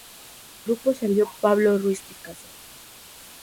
Del grupo salió Pablo Ruiz Picasso.